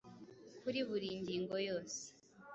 kuri buri ngingo yose